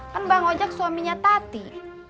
kan bang ojek suaminya tati